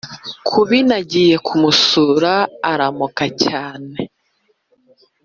Kubi nagiye kumusura iramoka cyane